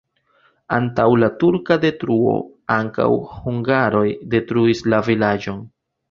Antaŭ la turka detruo ankaŭ hungaroj detruis la vilaĝon.